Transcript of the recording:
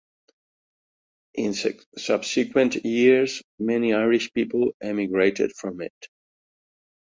In subsequent years many Irish people emigrated from it.